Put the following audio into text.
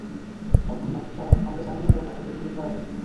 এখন না, দাঁড়াও, আমরা জানিনা ব্যপারটা কতদুর গড়াবে।